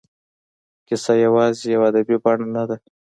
کیسه یوازې یوه ادبي بڼه نه ده.